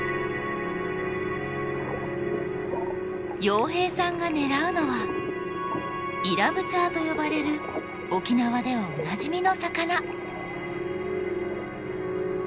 洋平さんが狙うのはイラブチャーと呼ばれる沖縄ではおなじみの魚。